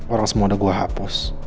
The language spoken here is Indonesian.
orang semua udah gue hapus